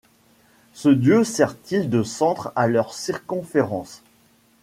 Ce Dieu sert-il de centre à leurs circonférences ?